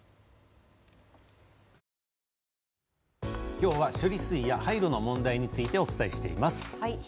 今日は処理水や廃炉の問題についてお伝えしています。